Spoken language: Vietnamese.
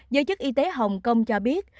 giới chức y tế hồng kông cho biết